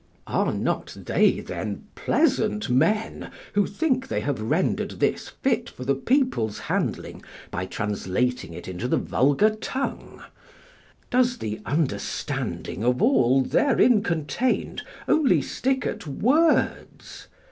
Are not they then pleasant men who think they have rendered this fit for the people's handling by translating it into the vulgar tongue? Does the understanding of all therein contained only stick at words?